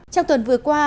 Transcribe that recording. trong tuần vừa qua